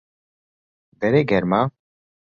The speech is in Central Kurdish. دەرێ گەرمە؟